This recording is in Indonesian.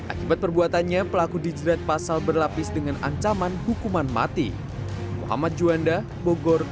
akibat perbuatannya pelaku dijerat pasal berlapis dengan ancaman hukuman mati muhammad juanda bogor